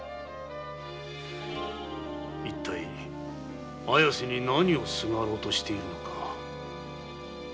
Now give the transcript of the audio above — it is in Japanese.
一体綾瀬に何をすがろうとしているのか？